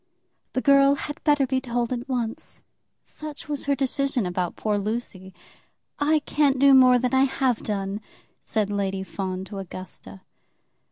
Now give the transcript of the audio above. "The girl had better be told at once." Such was her decision about poor Lucy. "I can't do more than I have done," said Lady Fawn to Augusta.